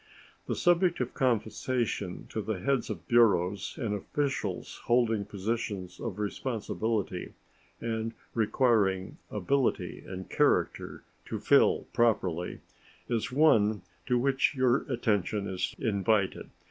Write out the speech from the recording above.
The subject of compensation to the heads of bureaus and officials holding positions of responsibility, and requiring ability and character to fill properly, is one to which your attention is invited.